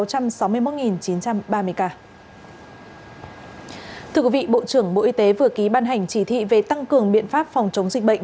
thưa quý vị bộ trưởng bộ y tế vừa ký ban hành chỉ thị về tăng cường biện pháp phòng chống dịch bệnh